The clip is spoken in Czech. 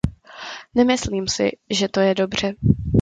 Nemyslím si, že to je dobře.